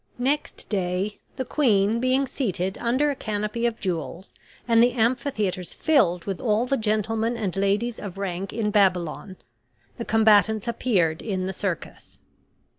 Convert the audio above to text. Next day, the queen being seated under a canopy of jewels, and the amphitheaters filled with all the gentlemen and ladies of rank in Babylon, the combatants appeared in the circus.